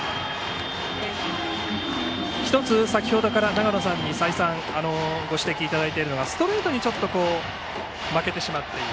先程から長野さんに再三、ご指摘いただいているのがストレートにちょっと負けてしまっている。